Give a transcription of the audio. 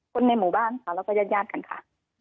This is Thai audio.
คนในหมู่บ้านแล้วก็แยกยาดกันค่ะ